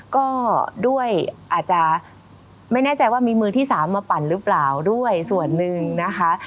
ก็ด้วยอาจจะไม่แน่ใจว่ามีมือที่สามมาปั่นหรือเปล่าด้วยส่วนหนึ่งนะคะ